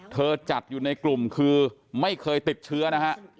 จัดอยู่ในกลุ่มคือไม่เคยติดเชื้อนะฮะ